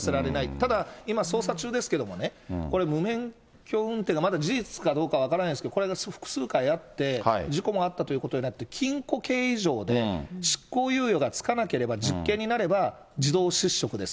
ただ、今、捜査中ですけれども、これ、無免許運転がまだ事実かどうか分からないですけど、この間複数回あって、事故もあったということになって、禁錮刑以上で、執行猶予が付かなければ、実刑になれば、自動失職です。